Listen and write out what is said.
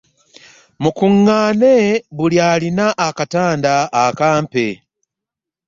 MUnkungane buli alian akataanda akampe .